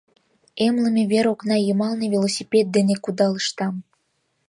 Эмлыме вер окна йымалне велосипед дене кудалыштам.